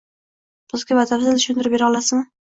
Bizga batafsil tushuntirib bera olasizmi.